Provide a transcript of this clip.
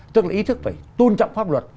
tức là ý thức phải tôn trọng pháp luật